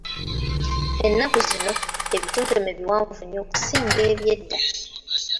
Ennaku zino ebitontome biwanvu nnyo okusinga eby'edda!